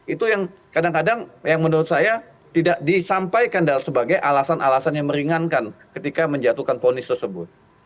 itu yang kadang kadang yang menurut saya tidak disampaikan sebagai alasan alasan yang meringankan ketika menjatuhkan ponis tersebut